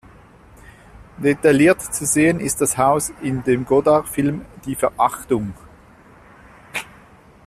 Detailliert zu sehen ist das Haus in dem Godard-Film "Die Verachtung".